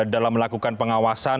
dalam melakukan pengawasan